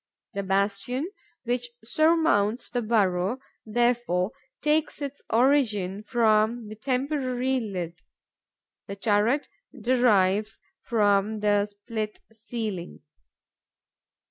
The bastion which surmounts the burrow, therefore, takes its origin from the temporary lid. The turret derives from the split ceiling.